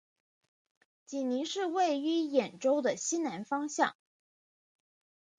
济宁市位于兖州的西南方向。